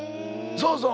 そうそう。